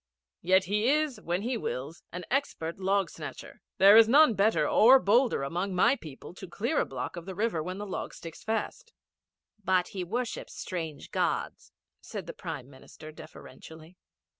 Yet he is, when he wills, an expert log snatcher. There is none better or bolder among my people to clear a block of the river when the logs stick fast.' 'But he worships strange Gods,' said the Prime Minister deferentially.